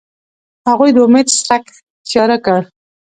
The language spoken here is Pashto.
هغوی د امید څرک تیاره کړ.